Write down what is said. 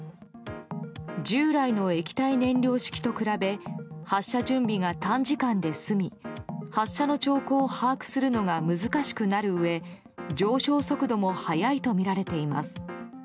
従来の液体燃料式と比べ発射準備が短時間で済み発射の兆候を把握するのが難しくなるうえ上昇速度も速いとみられています。